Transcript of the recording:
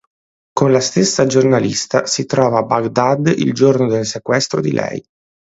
Con la stessa giornalista, si trova a Baghdad il giorno del sequestro di lei.